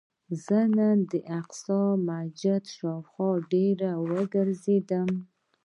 زه نن د الاقصی جومات شاوخوا ډېر وګرځېدم.